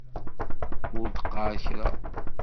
Ur d-qqaṛ kra.